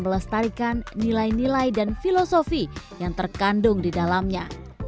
melestarikan nilai nilai dan filosofi yang terkandung di dalamnya